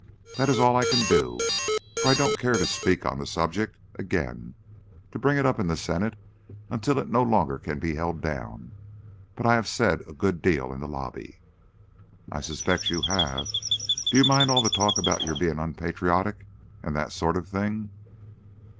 That is all I can do, for I don't care to speak on the subject again, to bring it up in the Senate until it no longer can be held down. But I have said a good deal in the lobby." "I suspect you have! Do you mind all the talk about your being unpatriotic, and that sort of thing?